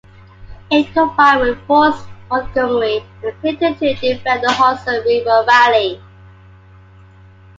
It combined with Forts Montgomery and Clinton to defend the Hudson River Valley.